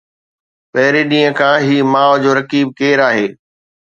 پهرين ڏينهن کان هي ماءُ جو رقيب ڪير آهي؟